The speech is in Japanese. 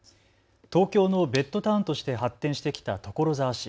東京のベッドタウンとして発展してきた所沢市。